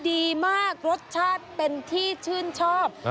ดีมากรสชาติเป็นที่ชื่นชอบ